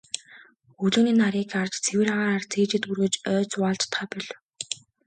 Өглөөний нарыг харж, цэвэр агаараар цээжээ дүүргэж, ойд зугаалж чадахаа болив.